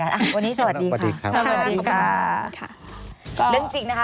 ขอฝากไว้ที่เต้มมีคะ